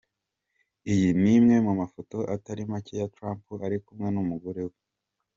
Iyi ni imwe mu mafoto atari make ya Trump ari kumwe n’ umugore we.